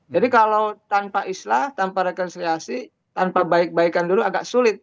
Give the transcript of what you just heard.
jadi kalau tanpa istilah tanpa rekonsiliasi tanpa baik baikan dulu agak sulit